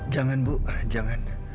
jangan bu jangan